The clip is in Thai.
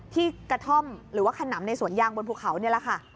ที่กระท่อมหรือว่าขนำในสวนยางบนภูเขานี่แหละค่ะ